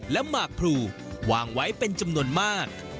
และตุ๊กตาจำนวนมาก